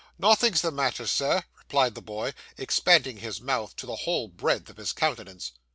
'Nothing's the matter, Sir,' replied the boy, expanding his mouth to the whole breadth of his countenance.